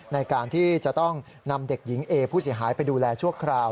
ในการที่จะต้องนำเด็กหญิงเอผู้เสียหายไปดูแลชั่วคราว